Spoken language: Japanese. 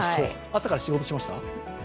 朝から仕事してました？